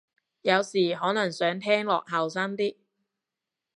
有時可能想聽落後生啲